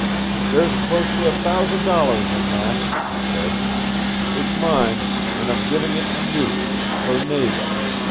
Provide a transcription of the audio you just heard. "There's close to a thousand dollars in that," he said. "It's mine. And I'm giving it to you for Nada.